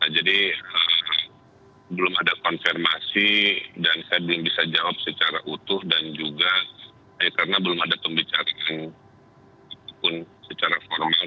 jadi belum ada konfirmasi dan saya belum bisa jawab secara utuh dan juga karena belum ada pembicaraan pun secara formal